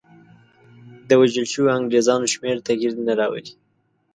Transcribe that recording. د وژل شویو انګرېزانو شمېر تغییر نه راولي.